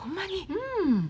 うん。